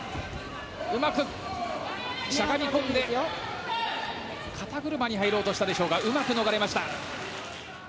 うまくしゃがみ込んで肩車に入ろうとしたでしょうかうまく逃れました。